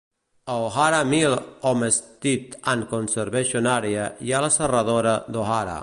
A O'Hara Mill Homestead and Conservation Area hi ha la serradora O'Hara.